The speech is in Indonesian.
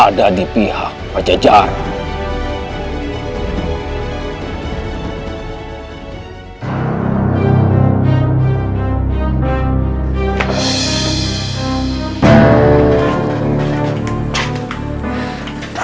ada di pihak pajajara